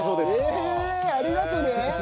ええ！ありがとね！